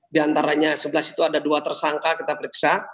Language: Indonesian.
di antaranya sebelas itu ada dua tersangka kita periksa